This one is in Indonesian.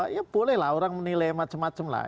ya bolehlah orang menilai macam macam lah